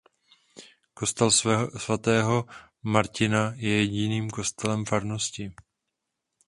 Kostel svatého Martina je jediným kostelem farnosti.